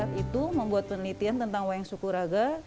saat itu membuat penelitian tentang wayang sukuraga